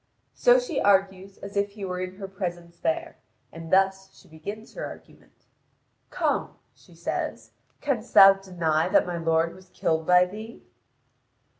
So she argues as if he were in her presence there, and thus she begins her argument: "Come," she says, "canst thou deny that my lord was killed by thee?"